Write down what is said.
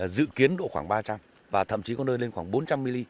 dự kiến độ khoảng ba trăm linh và thậm chí có nơi lên khoảng bốn trăm linh mm